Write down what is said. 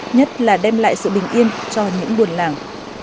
nhất là đem lại sự bình yên cho những buồn làng